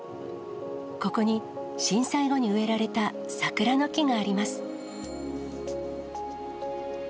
ここに、震災後に植えられた桜の木があります。